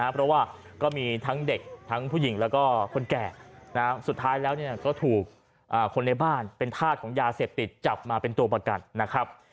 เพราะว่าก็มีทั้งเด็กทั้งผู้หญิงแล้วก็คนแก่สุดท้ายแล้วก็ถูกคนในบ้านเป็นธาตุของยาเสพติดจับมาเป็นตัวประกันนะครับ